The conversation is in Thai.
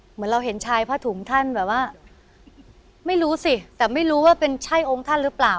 เหมือนเราเห็นชายผ้าถุงท่านแบบว่าไม่รู้สิแต่ไม่รู้ว่าเป็นใช่องค์ท่านหรือเปล่า